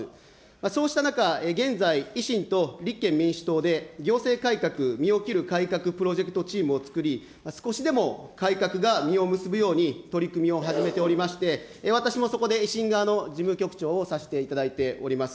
そうした中、現在、維新と立憲民主党で、行政改革、身を切る改革プロジェクトチームを作り、少しでも改革が実を結ぶように取り組みを始めておりまして、私もそこで維新側の事務局長をさせていただいております。